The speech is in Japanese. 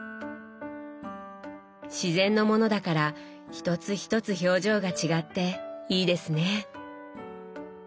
自然のものだから一つ一つ表情が違っていいですね。